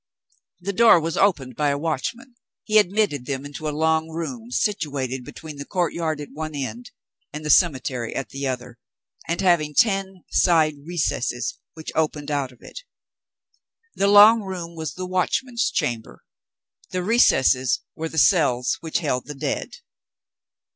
The door was opened by a watchman. He admitted them into a long room, situated between the courtyard at one end, and the cemetery at the other, and having ten side recesses which opened out of it. The long room was the Watchman's Chamber. The recesses were the cells which held the dead.